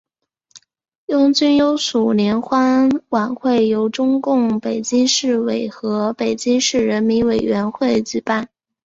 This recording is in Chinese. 拥军优属联欢晚会由中共北京市委和北京市人民委员会举办。